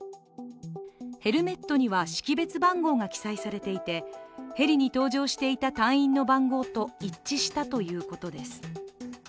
ヘルメットには識別番号が記載されていてヘリに搭乗していた隊員の番号と一致したということです。